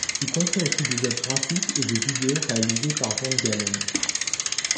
Il contient aussi des œuvres graphiques et des vidéos réalisés par VanGaalen.